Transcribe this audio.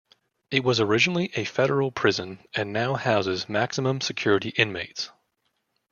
It was originally a federal prison and now houses maximum security inmates.